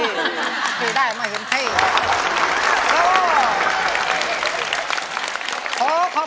สวัสดีครับ